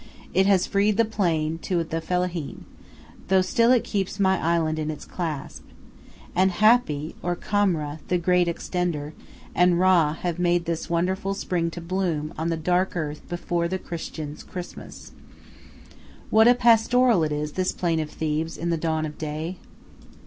It has freed the plain to the fellaheen, though still it keeps my island in its clasp. And Hapi, or Kam wra, the "Great Extender," and Ra, have made this wonderful spring to bloom on the dark earth before the Christian's Christmas. What a pastoral it is, this plain of Thebes, in the dawn of day!